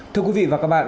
thưa quý vị và các bạn